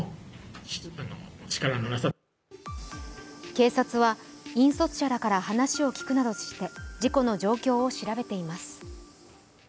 警察は引率者らから話を聞くなどして事故の状況を調べています。